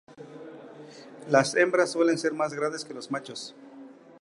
Las hembras suelen ser más grandes que los machos.